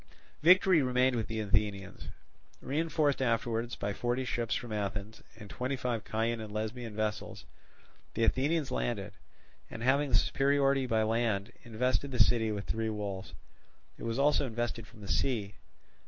Victory remained with the Athenians. Reinforced afterwards by forty ships from Athens, and twenty five Chian and Lesbian vessels, the Athenians landed, and having the superiority by land invested the city with three walls; it was also invested from the sea.